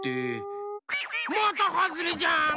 またはずれじゃん！